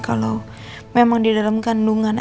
kalau memang di dalam kandungannya